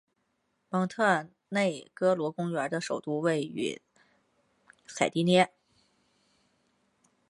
蒙特内哥罗公国的首都位于采蒂涅。